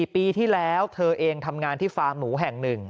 ปีที่แล้วเธอเองทำงานที่ฟาร์มหมูแห่ง๑